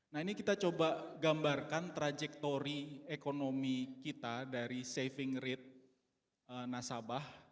nah ini kita coba gambarkan trajektori ekonomi kita dari saving rate nasabah